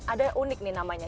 ada unik nih namanya